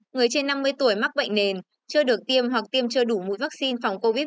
người trên năm mươi tuổi mắc bệnh nền chưa được tiêm hoặc tiêm chưa đủ mũi vaccine phòng covid một mươi